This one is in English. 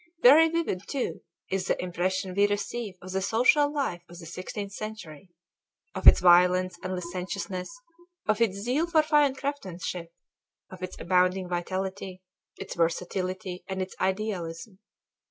Very vivid, too, is the impression we receive of the social life of the sixteenth century; of its violence and licentiousness, of its zeal for fine craftsmanship, of its abounding vitality, its versatility and its idealism.